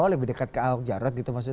lebih dekat ke ahok jarot gitu maksud anda